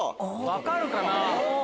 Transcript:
分かるかな？